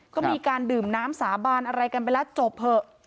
ก็มีการดื่มน้ำสาบานอะไรกันไปแล้วจบเถอะ